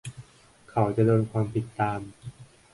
เขาจะโดนความผิดตาม